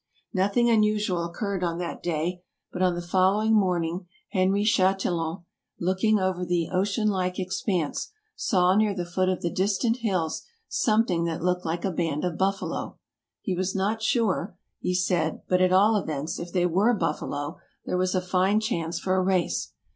Nothing unusual occurred on that day ; but on the fol lowing morning Henry Chatillon, looking over the ocean like expanse, saw near the foot of the distant hills something that looked like a band of buffalo. He was not sure, he said, but at all events, if they were buffalo, there was a fine chance for a race.